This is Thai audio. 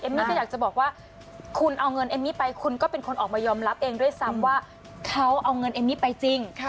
มี่ก็อยากจะบอกว่าคุณเอาเงินเอมมี่ไปคุณก็เป็นคนออกมายอมรับเองด้วยซ้ำว่าเขาเอาเงินเอมมี่ไปจริง